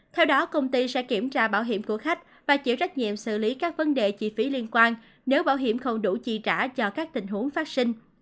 theo đó công ty sẽ kiểm tra bảo hiểm của khách và chịu trách nhiệm xử lý các vấn đề chi phí liên quan nếu bảo hiểm không đủ chi trả cho các tình huống phát sinh